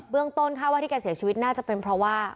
ต้นข้าวว่าที่แกเสียชีวิตน่าจะเป็นเพราะว่า